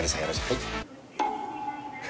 はい。